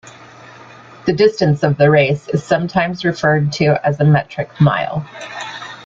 The distance of the race is sometimes referred to as a metric mile.